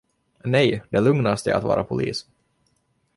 Nej, det lugnaste är att vara polis.